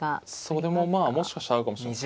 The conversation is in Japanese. それもまあもしかしたらあるかもしれない。